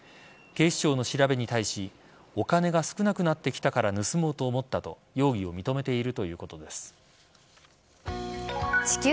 警視庁の調べに対しお金が少なくなってきたから盗もうと思ったと容疑を認めているということです。